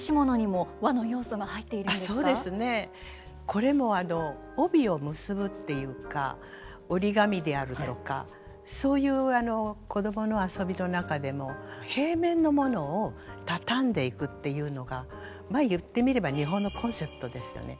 これも帯を結ぶっていうか折り紙であるとかそういう子供の遊びの中での平面のものをたたんでいくっていうのがまあ言ってみれば日本のコンセプトですよね。